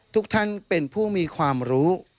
ทุกท่านเป็นผู้มีความรู้